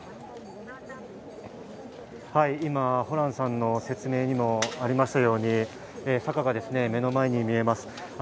今、ホランさんの説明にもありましたように、坂が目の前に見えます。